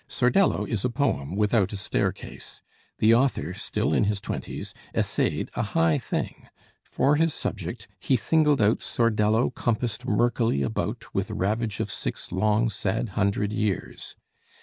'Sordello' is a poem without a staircase. The author, still in his twenties, essayed a high thing. For his subject 'He singled out Sordello compassed murkily about With ravage of six long sad hundred years.'